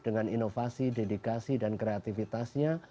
dengan inovasi dedikasi dan kreativitasnya